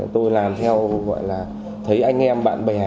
tôi làm theo gọi là thấy anh em bạn bè